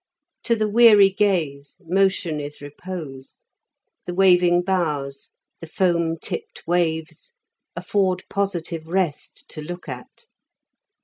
To the weary gaze motion is repose; the waving boughs, the foam tipped waves, afford positive rest to look at.